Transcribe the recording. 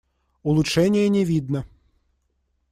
Улучшения не видно.